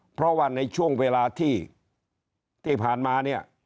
เพราะว่าในช่วงเวลาที่ผ่านมาเนี่ย